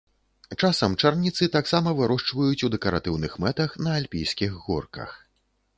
Часам чарніцы таксама вырошчваюць у дэкаратыўных мэтах на альпійскіх горках.